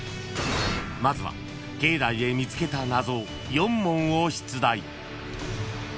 ［まずは境内で見つけた謎４問を出題］